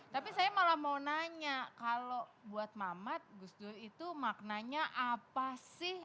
tapi saya malah mau nanya kalau buat mamat gus dur itu maknanya apa sih